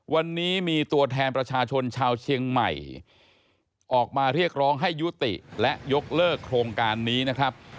วันนี้มีตัวแทนประชาชนชาวเชียงใหม่ออกมาเรียกร้องให้ยุติและยกเลิกโครงการนี้นะครับ